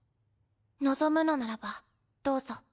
望むのならばどうぞ。